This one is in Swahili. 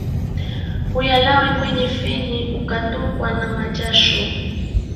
Huyalae kwenye feni ukatokwa n majasho